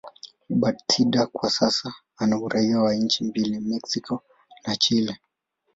Bastida kwa sasa ana uraia wa nchi mbili, Mexico na Chile.